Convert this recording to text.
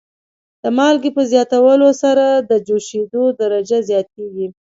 د مالګې په زیاتولو سره د جوشیدو درجه زیاتیږي.